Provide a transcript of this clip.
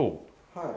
はい。